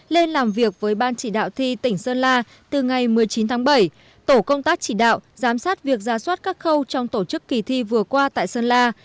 lên làm việc với ban chỉ đạo thi tỉnh sơn la từ ngày một mươi chín tháng bảy tổ công tác chỉ đạo giám sát việc ra soát các khâu trong tổ chức kỳ thi vừa qua tại sơn la